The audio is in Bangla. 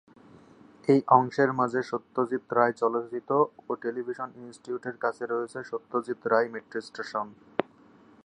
এই অংশের মাঝে সত্যজিৎ রায় চলচ্চিত্র ও টেলিভিশন ইনস্টিটিউটের কাছে রয়েছে সত্যজিৎ রায় মেট্রো স্টেশন।